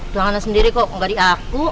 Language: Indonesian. tunangannya sendiri kok gak diaku